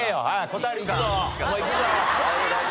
答えいくぞ。